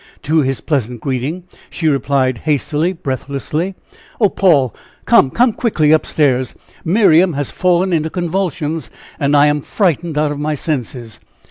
To his pleasant greeting, she replied hastily, breathlessly: "Oh, Paul! come come quickly up stairs! Miriam has fallen into convulsions, and I am frightened out of my senses!"